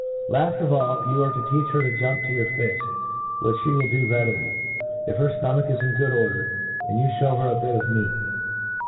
Laft of all, you are to teach her to jump to your fift } which (he will do readily, if her Ho jnach is in good order, and you ihcw her a bit of meat.